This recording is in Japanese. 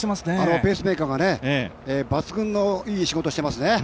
ペースメーカーが抜群のいい仕事をしていますね。